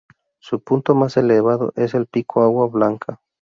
Su punto más elevado es el Pico Agua Blanca.